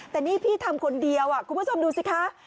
แต่นี่พี่ทำคนเดียวคุณผู้ชมดูสิคะ